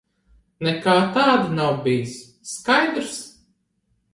Nekā tāda nav bijis. Skaidrs?